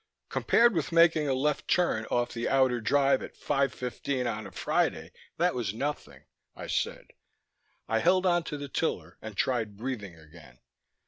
"Compared with making a left turn off the Outer Drive at 5:15 on a Friday, that was nothing," I said. I held onto the tiller and tried breathing again.